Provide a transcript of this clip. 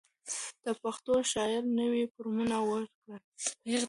ده پښتو شعر ته نوي فورمونه ورکړل